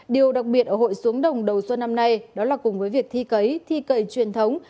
điều đặc biệt ở hội xuống đồng đầu xuân năm nay đó là cùng với việc thi cấy thi cầy truyền thống